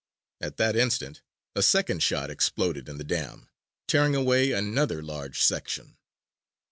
At that instant a second shot exploded in the dam, tearing away another large section.